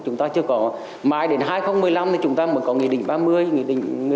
chúng ta chưa có mãi đến hai nghìn một mươi năm thì chúng ta mới có nghề đỉnh ba mươi nghề đỉnh một mươi năm